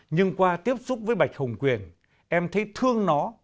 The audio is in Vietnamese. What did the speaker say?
nhưng qua tiếp xúc với bạch hồng quyền em thấy thương nó